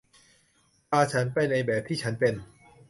พาฉันไปในแบบที่ฉันเป็น